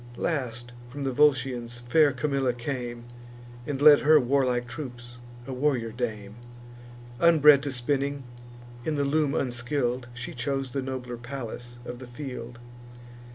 Last, from the Volscians fair Camilla came, And led her warlike troops, a warrior dame; Unbred to spinning, in the loom unskill'd, She chose the nobler Pallas of the field.